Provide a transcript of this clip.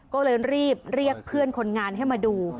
ก็เลยรีบเรียกเพื่อนคนงานให้มาดู